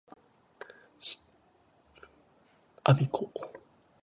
我孫子